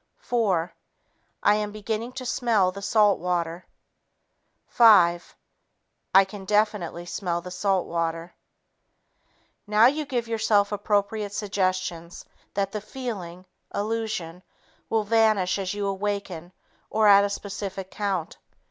Four ... I am beginning to smell the salt water. Five ... I can definitely smell the salt water." Now you give yourself appropriate suggestions that the feeling (illusion) will vanish as you awaken or at a specific count.